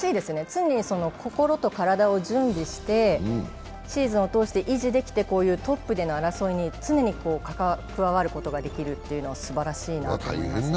常に心と体を準備して、シーズンを通して維持できてこういうトップでの争いに常に加わることができるというのはすばらしいなと思いますね。